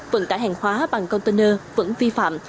vận tải hàng khóa bằng container vẫn vi phạm